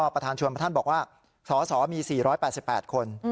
ประธานชวนพระท่านบอกว่าสสมี๔๘๘คน